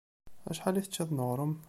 Acḥal i teččiḍ n uɣrum?